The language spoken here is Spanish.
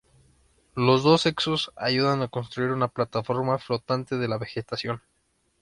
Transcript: Los dos sexos ayudan a construir una plataforma flotante de la vegetación.